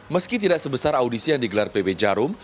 meski tidak sebesar audisi yang digelar pb jarum